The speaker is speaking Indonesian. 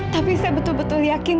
tapi saya betul betul yakin